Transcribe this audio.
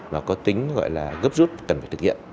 và có tính gọi là gấp rút cần phải thực hiện